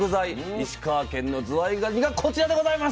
石川県のずわいがにがこちらでございます。